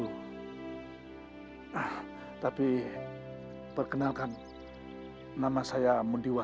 tun hubung tuarrita mau mengamk yongjia